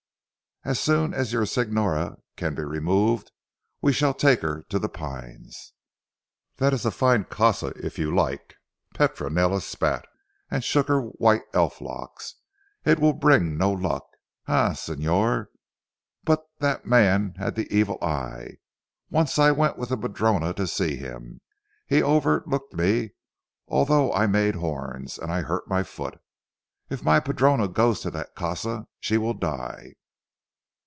As soon as your signora can be removed we shall take her to The Pines. "That is a fine casa if you like!" Petronella spat, and shook her white elf locks. "It will bring no luck. Eh Signor, but that man had the evil eye. Once I went with the padrona to see him. He overlooked me although I made horns, and I hurt my foot. If my padrona goes to that casa she will die."